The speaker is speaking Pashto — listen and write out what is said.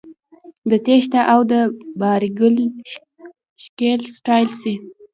د تېشه او د یارګل ښکلل ستایل سي